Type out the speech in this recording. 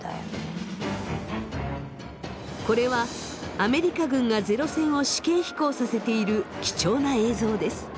これはアメリカ軍がゼロ戦を試験飛行させている貴重な映像です。